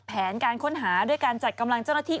แผนการค้นหาด้วยการจัดกำลังเจ้าหน้าที่